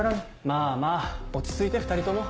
まぁまぁ落ち着いて２人とも。